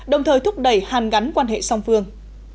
đồng thời thúc đẩy hàn gắn quan hệ song phương